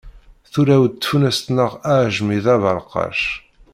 Turew-d tfunast-nneɣ aɛejmi d aberqac.